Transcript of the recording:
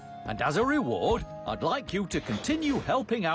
あっ！